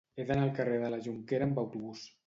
He d'anar al carrer de la Jonquera amb autobús.